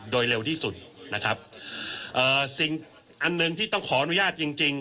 โดยเร็วที่สุดนะครับเอ่อสิ่งอันหนึ่งที่ต้องขออนุญาตจริงจริง